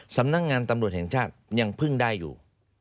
สำนักงานตำรวจแห่งชาติยังพึ่งได้อยู่